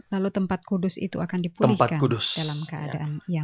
lalu tempat kudus itu akan dipulihkan dalam keadaan ya